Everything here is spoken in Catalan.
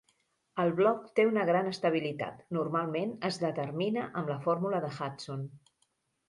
El bloc té una gran estabilitat, normalment es determina amb la fórmula de Hudson.